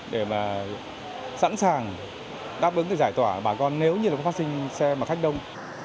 để sẵn sàng đáp ứng giải tỏa bà con nếu như có phát sinh xe mà khách đông